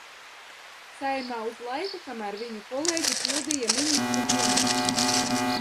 Saeimā uz laiku, kamēr viņu kolēģi pildīja ministru pienākumus!